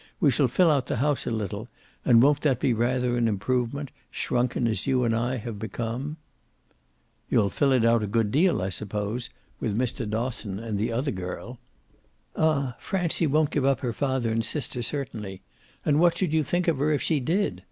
"We shall fill out the house a little, and won't that be rather an improvement, shrunken as you and I have become?" "You'll fill it out a good deal, I suppose, with Mr. Dosson and the other girl." "Ah Francie won't give up her father and sister, certainly; and what should you think of her if she did?